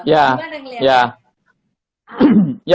gimana yang melihatnya